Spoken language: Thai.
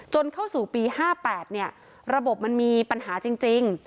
เข้าสู่ปี๕๘ระบบมันมีปัญหาจริง